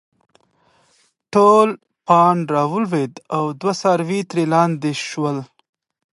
ټول پاڼ راولويد او دوه څاروي ترې لانې شول